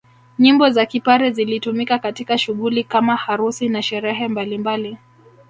Nyimbo za kipare zilitumika katika shughuli kama harusi na sherehe mbalimbali